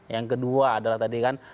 yang kedua adalah tadi kan